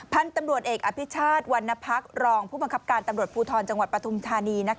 พันธุ์ตำรวจเอกอภิชาติวรรณพักษรองผู้บังคับการตำรวจภูทรจังหวัดปฐุมธานี